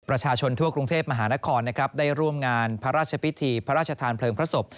ประชาชนทั่วกรุงเทพมหานครนะครับได้ร่วมงานพระราชพิธีพระราชทานเพลิงพระศพ